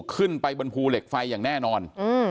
ขึ้นไปบนภูเหล็กไฟอย่างแน่นอน